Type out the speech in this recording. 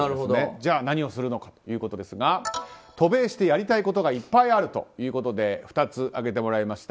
じゃあ、何をするのかですが渡米してやりたいことがいっぱいあるということで２つ挙げてもらいました。